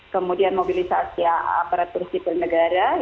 kemudian mobilisasi aparatur sipil negara